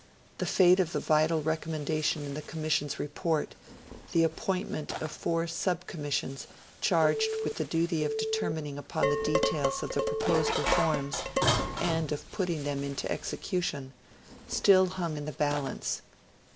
The fate of the vital recommendation in the Commission's Report the appointment of four Sub Commissions charged with the duty of determining upon the details of the proposed reforms and of putting them into execution still hung in the balance.